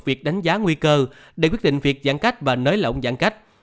việc đánh giá nguy cơ để quyết định việc giãn cách và nới lỏng giãn cách